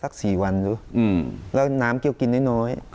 โรคคุลไม่ได้กินข้าวสักสี่วัน